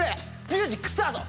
ミュージックスタート！